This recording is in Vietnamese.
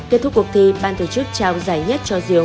kết thúc cuộc thi ban tổ chức trao giải nhất cho diều